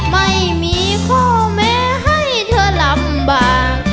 ไม่มีข้อเมตเธอลำบาก